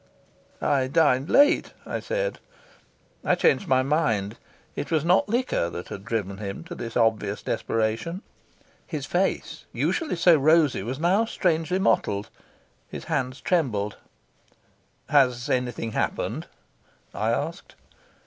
"I dined late," I said. I changed my mind: it was not liquor that had driven him to this obvious desperation. His face, usually so rosy, was now strangely mottled. His hands trembled. "Has anything happened?" I asked.